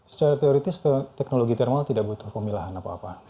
secara teoritis teknologi thermal tidak butuh pemilahan apa apa